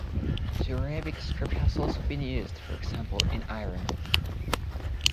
The Arabic script has also been used, for example, in Iran.